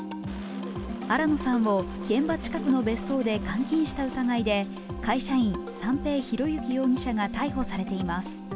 新野さんを現場近くの別荘に監禁した疑いで会社員、三瓶博幸容疑者が逮捕されています。